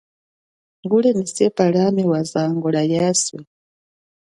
Nguli nyi sepa liami wazango lia yeswe.